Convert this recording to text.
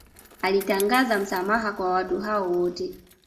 Alitangaza msamaha kwa watu hao wote